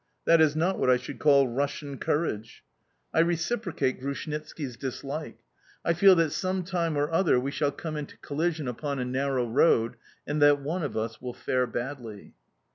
That is not what I should call Russian courage!... I reciprocate Grushnitski's dislike. I feel that some time or other we shall come into collision upon a narrow road, and that one of us will fare badly.